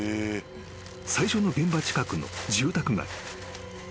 ［最初の現場近くの住宅街］